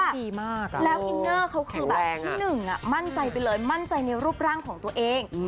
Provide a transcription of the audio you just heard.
แล้วอินเนอร์เขาคือแบบมั่นใจไปเลยมั่นใจในรูปร่างของตัวเอง